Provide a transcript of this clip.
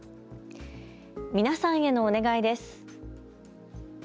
皆さんへのお願いです。